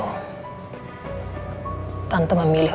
tante memilih untuk menangkap tante